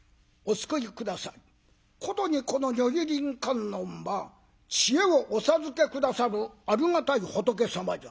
ことにこの如意輪観音は知恵をお授け下さるありがたい仏様じゃ」。